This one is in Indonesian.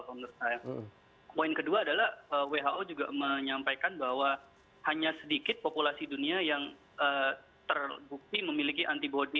poin kedua adalah who juga menyampaikan bahwa hanya sedikit populasi dunia yang terbukti memiliki antibody